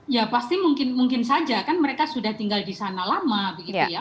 ya pasti mungkin saja kan mereka sudah tinggal di sana lama begitu ya